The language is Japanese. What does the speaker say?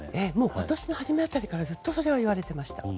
今年の初め辺りからずっと言われていました。